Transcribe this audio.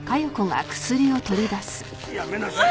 やめなさい。